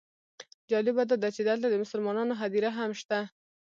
جالبه داده چې دلته د مسلمانانو هدیره هم شته.